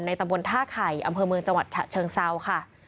ตำบลท่าไข่อำเภอเมืองจังหวัดฉะเชิงเซาค่ะ